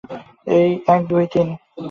এক, দুই, তিন।